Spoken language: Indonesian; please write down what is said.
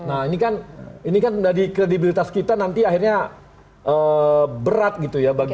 nah ini kan dari kredibilitas kita nanti akhirnya berat gitu ya